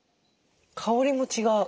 香りも違う。